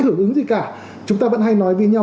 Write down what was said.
hưởng ứng gì cả chúng ta vẫn hay nói với nhau